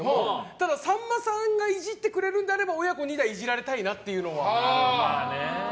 ただ、さんまさんがいじってくれるんであれば親子２代イジられたいなっていうのは。